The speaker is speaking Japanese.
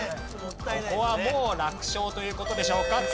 ここはもう楽勝という事でしょうか？